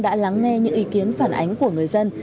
đã lắng nghe những ý kiến phản ánh của người dân